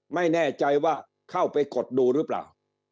ไม่แน่ใจว่าเข้าไปกดดูหรือเปล่า